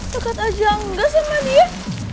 deket aja nggak sama dia